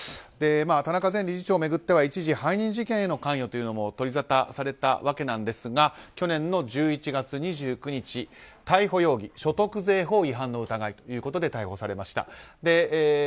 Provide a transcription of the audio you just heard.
田中前理事長を巡っては一時背任事件への関与でも取りざたされたわけなんですが去年１１月２９日逮捕容疑所得税法違反の疑いということで逮捕されました。